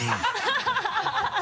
ハハハ